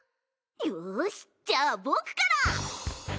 よしじゃあ僕から。